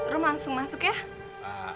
lo langsung masuk ya